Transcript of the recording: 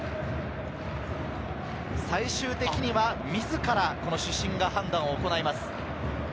最終的には自ら主審が判断を行います。